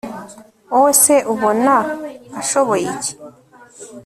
wowe se ubona ashoboye iki